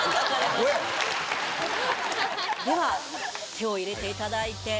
では手を入れていただいて。